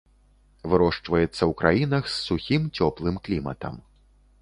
Вырошчваецца ў краінах з сухім, цёплым кліматам.